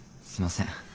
すみません。